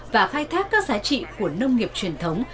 và khai thác các giá trị của nông nghiệp truyền thống